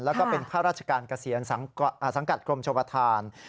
แล้วก็เป็นพระราชกาลเกษียณสังกัดกรมโชบทาน